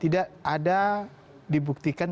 tidak bisa dibuktikan